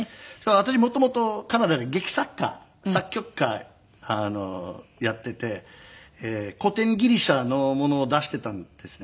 私元々カナダで劇作家作曲家やっていて古典ギリシャのものを出していたんですね。